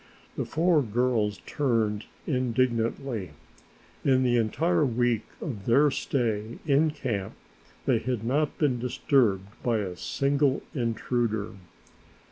The four girls turned indignantly. In the entire week of their stay in camp they had not been disturbed by a single intruder.